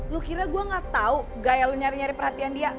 lu kira gue gak tau gaya lu nyari nyari perhatian dia